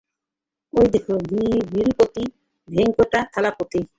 ঐদেখো, Tirupati Venkatathalapati.